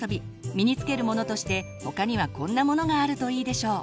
身に着けるものとして他にはこんなものがあるといいでしょう。